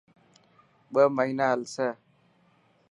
ٻه مهنا هلسي.